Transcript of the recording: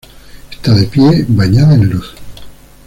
Está de pie, bañada en luz.